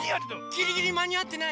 ギリギリまにあってない？